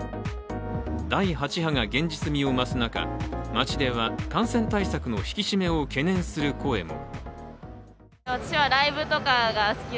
第８波が現実味を増す中、街では感染対策の引き締めを懸念する声も。